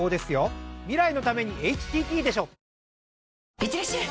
いってらっしゃい！